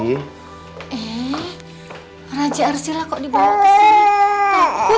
eh raja arsila kok dibawa kesini